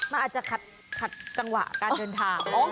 มันอาจจะขัดจังหวะการเดินทาง